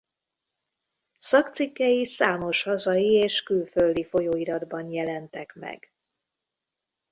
Szakcikkei számos hazai és külföldi folyóiratban jelentek meg.